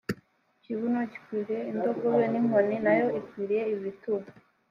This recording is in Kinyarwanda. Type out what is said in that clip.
ikibuno gikwiriye indogobe n’inkoni na yo ikwiriye ibitugu